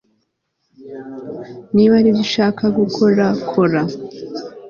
niba aribyo ushaka gukora, kora